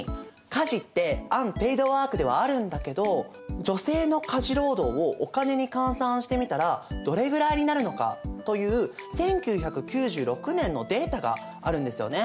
家事ってアンペイドワークではあるんだけど女性の家事労働をお金に換算してみたらどれぐらいになるのかという１９９６年のデータがあるんですよね。